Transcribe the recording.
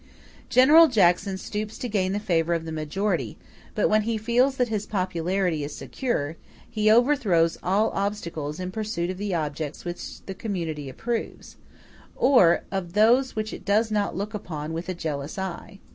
General Jackson stoops to gain the favor of the majority, but when he feels that his popularity is secure, he overthrows all obstacles in the pursuit of the objects which the community approves, or of those which it does not look upon with a jealous eye.